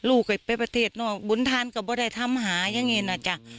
ลูกไอ้ประเทศเนอะบุญทำก็ไม่ได้ทำหาอย่างเงี้ยน่ะจ้ะ